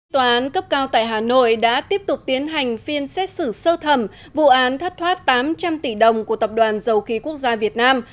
tòa án cấp cao tại hà nội đã tiếp tục tiến hành phiên xét xử sơ thẩm vụ án thất thoát tám trăm linh tỷ đồng của tập đoàn dầu khí quốc gia việt nam